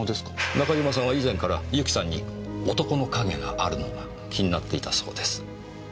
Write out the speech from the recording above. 中島さんは以前から由紀さんに男の影があるのが気になっていたそうです。